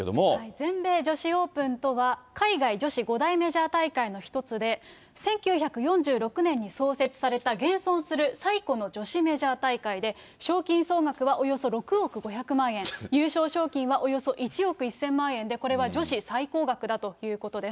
全米女子オープンとは、海外女子５大メジャー大会の一つで、１９４６年に創設された現存する最古の女子メジャー大会で、賞金総額はおよそ６億５００万円、優勝賞金はおよそ１億１０００万円で、これは女子最高額だということです。